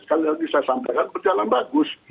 sekali lagi saya sampaikan berjalan bagus